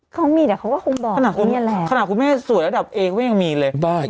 เขามีแต่เขาก็คงบอกขนาดคุณแม่สวยระดับเองเขาไม่ยังมีเลยบ้า